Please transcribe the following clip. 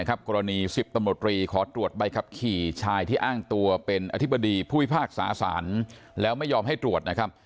กรณี๑๐ตำรวจรีขอตรวจใบขับขี่ชายที่อ้างตัวเป็นอธิบดีผู้พิพากษาสารแล้วไม่ยอมให้ตรวจนะครับ